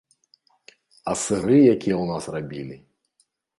А сыры якія ў нас рабілі!